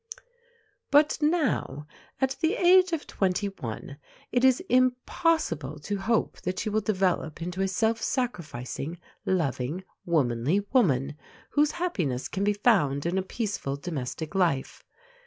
But now, at the age of twenty one, it is impossible to hope that she will develop into a self sacrificing, loving, womanly woman, whose happiness can be found in a peaceful domestic life.